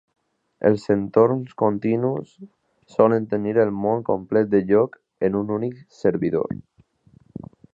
Els entorns continus solen tenir el món complet del joc en un únic servidor.